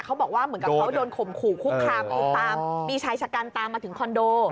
เขาบอกว่าเหมือนกับเขาโดนขมขู่คู่คามตามมีชายชะกันตามมาถึงคอนโด